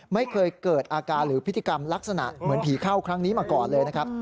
ไม่เคยเกิดอาการหรือพฤติกรรมลักษณะเหมือนผีเข้าครั้งนี้มาก่อนเลยนะครับ